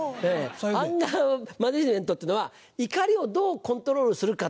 アンガーマネジメントっていうのは怒りをどうコントロールするかっていう。